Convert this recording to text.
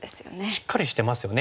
しっかりしてますよね。